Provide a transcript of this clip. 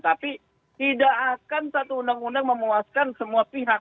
tapi tidak akan satu undang undang memuaskan semua pihak